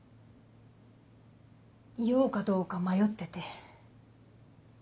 言おうかどうか迷ってて。